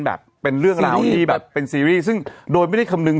แบบเป็นเรื่องราวที่แบบเป็นซีรีส์ซึ่งโดยไม่ได้คำนึง